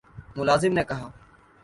ملازم نے کہا